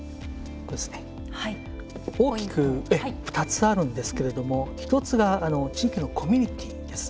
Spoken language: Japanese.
大きく２つあるんですが１つが地域のコミュニティーです。